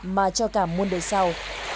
mà cho cả muôn đời sau